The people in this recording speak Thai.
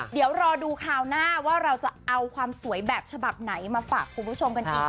เดี๋ยวรอดูคราวหน้าว่าเราจะเอาความสวยแบบฉบับไหนมาฝากคุณผู้ชมกันอีก